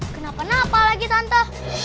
kenapa kenapa lagi tante